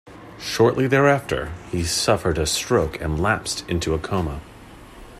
Shortly thereafter, he suffered a stroke and lapsed into a coma.